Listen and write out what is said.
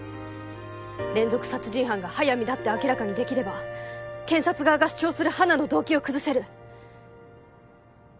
連続殺人犯が速水だって明らかにできれば検察側が主張する花の動機を崩せる。